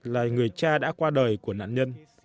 là người cha đã qua đời của nạn nhân